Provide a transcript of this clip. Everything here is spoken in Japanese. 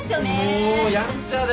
もうやんちゃで。